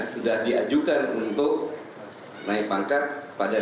sudah diajukan untuk naik pangkat pada satu april dua ribu tujuh belas